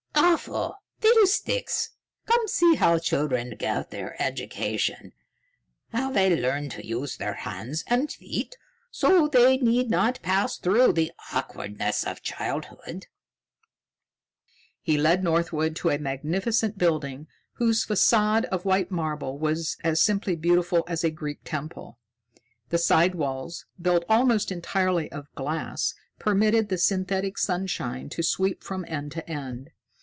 "Awful, fiddlesticks! Come see how children get their education, how they learn to use their hands and feet so they need not pass through the awkwardness of childhood." He led Northwood to a magnificent building whose façade of white marble was as simply beautiful as a Greek temple. The side walls, built almost entirely of glass, permitted the synthetic sunshine to sweep from end to end.